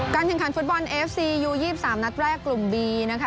แข่งขันฟุตบอลเอฟซียู๒๓นัดแรกกลุ่มบีนะคะ